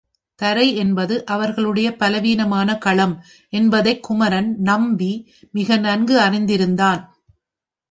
தரை என்பது அவர்களுடைய பலவீனமான களம் என்பதைக் குமரன் நம்பி மிக நன்கு அறிந்திருந்தான்.